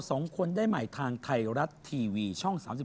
สองคนได้ใหม่ทางไทยรัฐทีวีช่อง๓๒